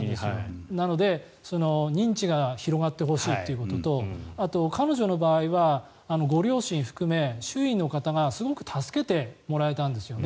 なので、認知が広がってほしいということとあと、彼女の場合はご両親含め周囲の方にすごく助けてもらえたんですよね。